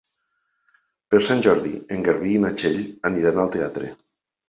Per Sant Jordi en Garbí i na Txell aniran al teatre.